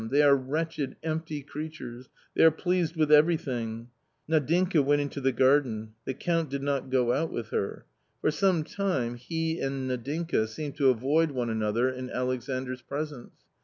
They are wretched, empty creatures ; they are pleased with every thing !" Nadinka went into the garden ; the Count did not go out with her. For some time he and Nadinka seemed to avoid one another in Alexandra presence.